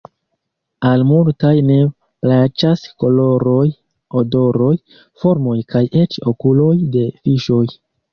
Al multaj ne plaĉas koloroj, odoroj, formoj kaj eĉ okuloj de fiŝoj.